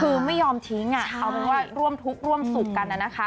คือไม่ยอมทิ้งเอาเป็นว่าร่วมทุกข์ร่วมสุขกันนะคะ